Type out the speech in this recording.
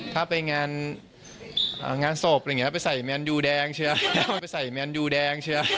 ถ้าไปงานงานศพอย่างเงี้ยไปใส่แมนดูแดงเชื่อไปใส่แมนดูแดงเชื่อ